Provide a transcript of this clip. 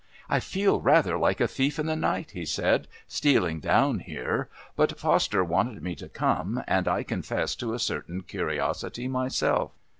"I feel rather like a thief in the night," he said, "stealing down here. But Foster wanted me to come, and I confess to a certain curiosity myself."